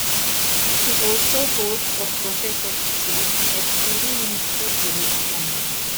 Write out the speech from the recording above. He also holds a Professorship at City University of London.